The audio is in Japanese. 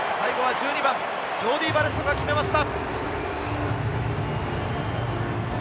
最後は１２番ジョーディー・バレットが決めました！